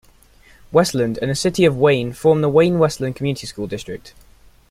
Westland and the city of Wayne form the Wayne-Westland Community School District.